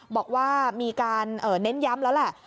บอกว่ามีการเน้นย้ำแล้วแหละ